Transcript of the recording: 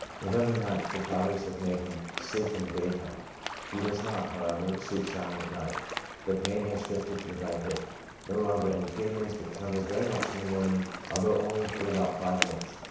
November 9th. — The powders have made him sleep in the daytime ; he does not, however, sleep soundly at night ; the pain has shifted to the right hip. No longer any giddiness, but trembles very much in the morning, although only for about five minutes.